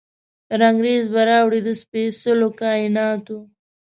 رنګریز به راوړي، د سپیڅلو کائیناتو،